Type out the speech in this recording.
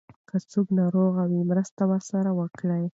که څوک ناروغ وي مرسته ورسره وکړئ.